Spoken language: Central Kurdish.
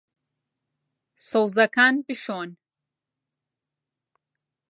سەوزەکان بشۆن.